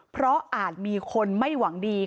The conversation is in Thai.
เพราะอาจมีคนไม่หวังดี